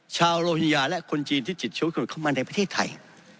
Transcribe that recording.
ชาวโลฮิงญาและคนจีนที่จิตชีวิตหลุดเข้ามาในประเทศไทย